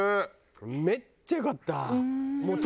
めっちゃ良かった！